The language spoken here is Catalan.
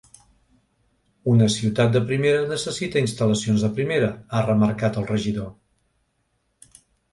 “Una ciutat de primera, necessita instal·lacions de primera”, ha remarcat el regidor.